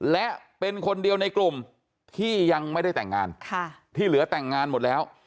และเป็นคนเดียวในกลุ่มที่ยังไม่ได้แต่งงานที่เหลือแต่งงานหมดแล้ว